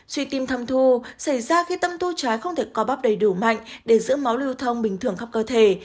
suy tim thâm thu xảy ra khi tâm tu trái không thể co bắp đầy đủ mạnh để giữ máu lưu thông bình thường khắp cơ thể